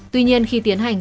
tuy nhiên khi tiến hành